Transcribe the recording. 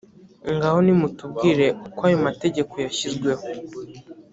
ngaho nimutubwire uko ayomategeko yashyizweho